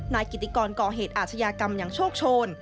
นายกิติกรก่อเหตุอาชญากรรมอย่างโชคโชน